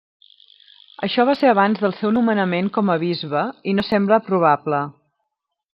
Això va ser abans del seu nomenament com a bisbe i no sembla probable.